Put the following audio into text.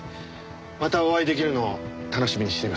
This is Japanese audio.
またお会いできるのを楽しみにしています。